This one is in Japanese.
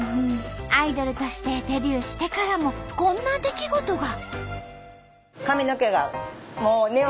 アイドルとしてデビューしてからもこんな出来事が。